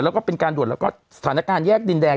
แล้วก็เป็นการด่วนแล้วก็สถานการณ์แยกดินแดง